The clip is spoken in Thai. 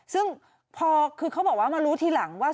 ซึ่งคือมารู้ทีหลังว่า